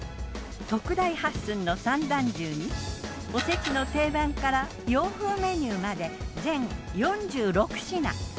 特大８寸の３段重におせちの定番から洋風メニューまで全４６品。